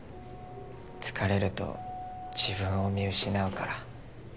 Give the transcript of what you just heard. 疲れると自分を見失うから。